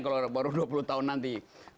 kalau baru dua puluh tahun nanti